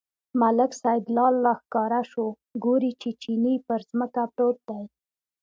ملک سیدلال راښکاره شو، ګوري چې چیني پر ځمکه پروت دی.